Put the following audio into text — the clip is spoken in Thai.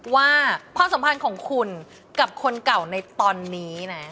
ว่าความสัมพันธ์ของคุณกับคนเก่าในตอนนี้นะ